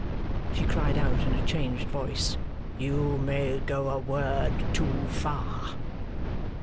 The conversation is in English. she cried out in a changed voice: 'you may go a word too far.